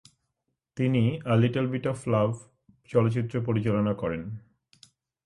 তিনি a little bit of fluff চলচ্চিত্র পরিচালনা করেন।